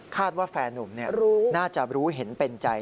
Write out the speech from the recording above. ว่าแฟนนุ่มน่าจะรู้เห็นเป็นใจ